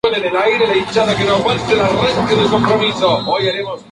Es uno de los líderes de la Alianza del Pueblo para la Democracia.